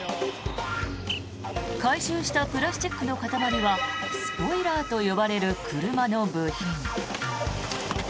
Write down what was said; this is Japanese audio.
回収したプラスチックの塊はスポイラーと呼ばれる車の部品。